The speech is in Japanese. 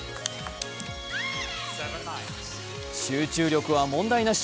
集中力は問題なし。